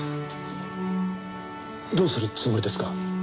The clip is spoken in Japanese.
どうするつもりですか？